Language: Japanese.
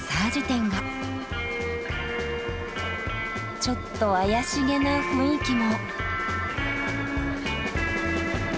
ちょっと妖しげな雰囲気も。